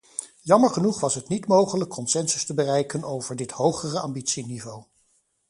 Jammer genoeg was het niet mogelijk consensus te bereiken over dit hogere ambitieniveau.